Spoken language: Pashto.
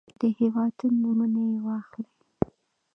د هېوادونو نومونه يې واخلئ.